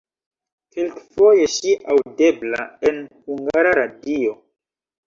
Kelkfoje ŝi aŭdebla en Hungara Radio.